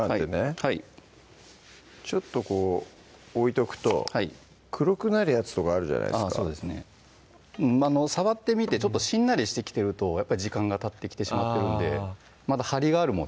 はいちょっとこう置いとくと黒くなるやつとかあるじゃないですか触ってみてしんなりしてきてると時間がたってきてしまってるんでまだ張りがあるもの